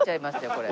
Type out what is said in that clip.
これ。